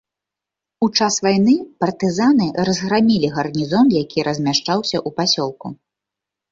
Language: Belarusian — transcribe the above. У час вайны партызаны разграмілі гарнізон, які размяшчаўся ў пасёлку.